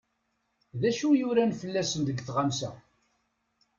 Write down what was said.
D acu i uran fell-asen deg tɣamsa?